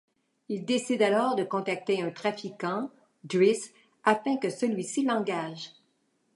Il décide alors de contacter un trafiquant, Driss, afin que celui-ci l'engage.